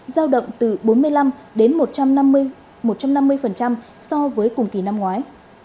giao động từ bốn mươi năm đến một trăm năm mươi so với cùng kỳ năm ngoái